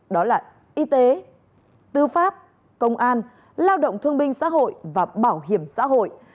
đó là y tế tư pháp công an lao động thương binh xã hội và bảo hiểm xã hội